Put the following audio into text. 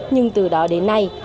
nhưng từ đó đến nay